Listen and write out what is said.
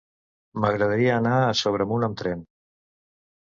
M'agradaria anar a Sobremunt amb tren.